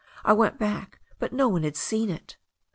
I went back, but no one had seen it.